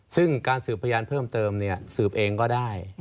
ซึ่งการสืบพยานเพิ่มเติมสืบเองก็ได้